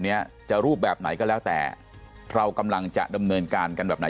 เนี้ยจะรูปแบบไหนก็แล้วแต่เรากำลังจะดำเนินการกันแบบไหน